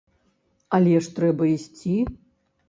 Але ж трэба ісці.